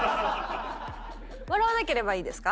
笑わなければいいですか？